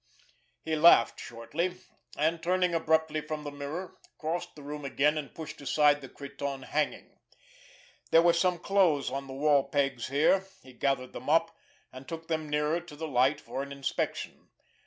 He laughed shortly, and turning abruptly from the mirror, crossed the room again, and pushed aside the cretonne hanging. There were some clothes on the wall pegs here. He gathered them up, and took them nearer to the light for an inspection.